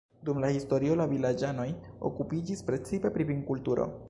Dum la historio la vilaĝanoj okupiĝis precipe pri vinkulturo.